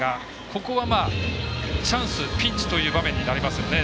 ここは、チャンスピンチという場面になりますね。